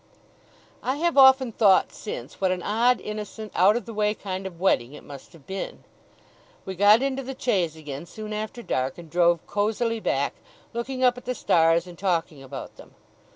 I have often thought, since, what an odd, innocent, out of the way kind of wedding it must have been! We got into the chaise again soon after dark, and drove cosily back, looking up at the stars, and talking about them.